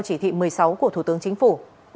chỉ thị một mươi sáu của thủ tướng chính phủ